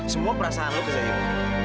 semua perasaan lu ke zahimu